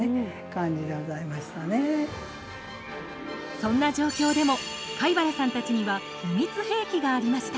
そんな状況でも飼原さんたちには秘密兵器がありました。